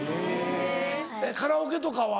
カラオケとかは？